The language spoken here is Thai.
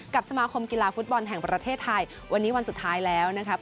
สมาคมกีฬาฟุตบอลแห่งประเทศไทยวันนี้วันสุดท้ายแล้วนะครับ